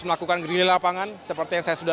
melakukan grilly lapangan seperti yang saya sudah